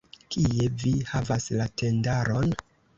Kie vi havas la tendaron?